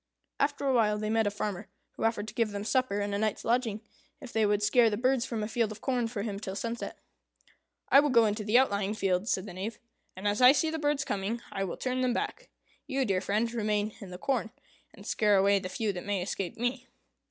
After a while they met with a farmer, who offered to give them supper and a night's lodging, if they would scare the birds from a field of corn for him till sunset. "I will go into the outlying fields," said the Knave, "and as I see the birds coming, I will turn them back. You, dear friend, remain in the corn, and scare away the few that may escape me."